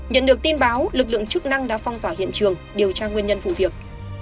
nhận được tin báo lực lượng chức năng đã phong tỏa hiện trường điều tra nguyên nhân vụ việc